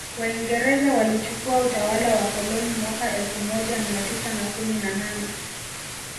Waingereza walichukua utawala wa koloni mwaka elfu moja mia tisa na kumi na nane